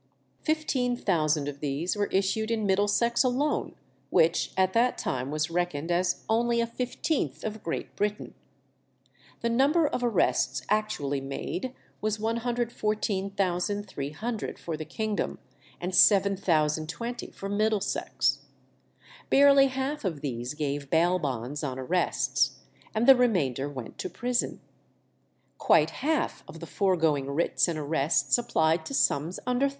Fifteen thousand of these were issued in Middlesex alone, which at that time was reckoned as only a fifteenth of Great Britain. The number of arrests actually made was 114,300 for the kingdom, and 7020 for Middlesex. Barely half of these gave bail bonds on arrests, and the remainder went to prison. Quite half of the foregoing writs and arrests applied to sums under £30.